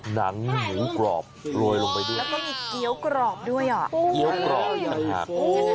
หนังหมูกรอบโรยลงไปด้วยนี้โอ๊ยงอ